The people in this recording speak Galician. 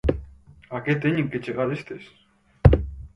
A que teñen que chegar estes?